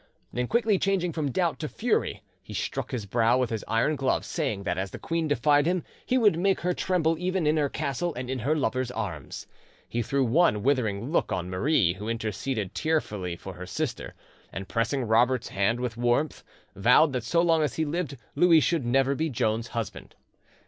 Then quickly changing from doubt to fury, he struck his brow with his iron glove, saying that as the queen defied him he would make her tremble even in her castle and in her lover's arms. He threw one withering look on Marie, who interceded tearfully for her sister, and pressing Robert's hand with warmth, vowed that so long as he lived Louis should never be Joan's husband.